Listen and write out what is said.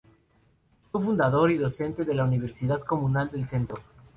Fue fundador y docente de la Universidad Comunal del Centro.